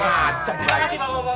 makasih pak bapak